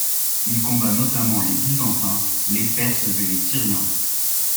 Il combat notamment les Byzantins, les Perses et les Syriens.